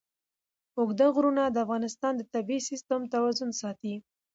اوږده غرونه د افغانستان د طبعي سیسټم توازن ساتي.